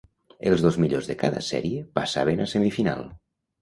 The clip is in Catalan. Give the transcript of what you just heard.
Els dos millors de cada sèrie passaven a semifinal.